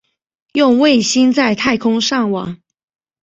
用卫星在太空上网